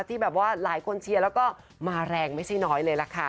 ที่แบบว่าหลายคนเชียร์แล้วก็มาแรงไม่ใช่น้อยเลยล่ะค่ะ